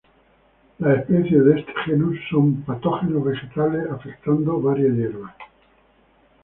Las especies en este genus son patógenos vegetales afectando varias hierbas.